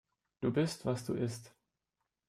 Du bist, was du isst.